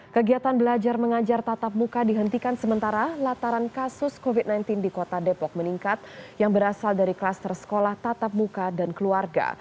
kegiatan belajar mengajar tatap muka dihentikan sementara lataran kasus covid sembilan belas di kota depok meningkat yang berasal dari klaster sekolah tatap muka dan keluarga